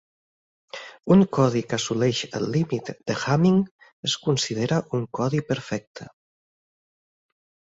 Un codi que assoleix el límit de Hamming es considera un codi perfecte.